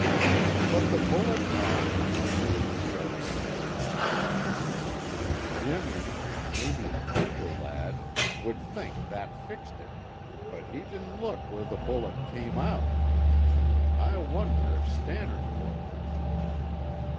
"But the bullet mark " Jardine smiled. "Jimmy, and maybe the trooper lad, would think that fixed it, but he didna look where the bullet cam' oot. I wonder if Stannard looked."